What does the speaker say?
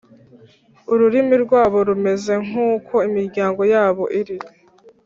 Ururimi rwabo rumeze nk uko imiryango yabo iri